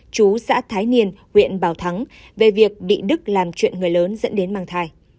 chú xã thái niên huyện bảo thắng về việc bị đức làm chuyện người lớn dẫn đến mang thai